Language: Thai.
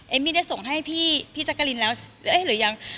เอ็มมี่ได้ส่งให้พี่พี่จักรินแล้วหรือยัง